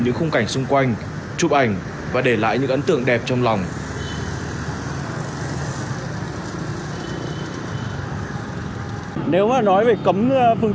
những khung cảnh xung quanh chụp ảnh và để lại những ấn tượng đẹp trong lòng